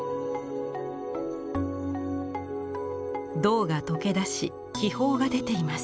銅が溶け出し気泡が出ています。